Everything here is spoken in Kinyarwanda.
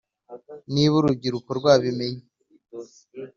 niba urubyiruko rwabimenye;